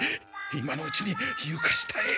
今のうちにゆか下へ。